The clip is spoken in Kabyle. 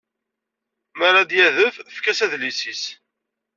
Mi ara d-yadef, efk-as adlis-a.